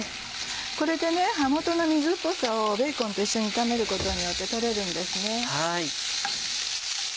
これでね葉元の水っぽさをベーコンと一緒に炒めることによって取れるんですね。